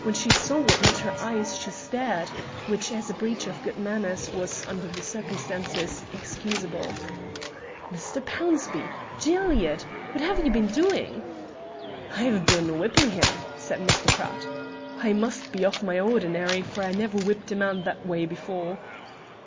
When she saw what met her eyes she stared, which, as a breach of good manners, was, under the circumstances, excusable. "Mr. Pownceby! Gilead! What have you been doing?" "I've been whipping him," said Mr. Pratt. "I must be off my ordinary, for I never whipped a man that way before."